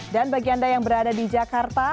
dan bagi anda yang berada di jakarta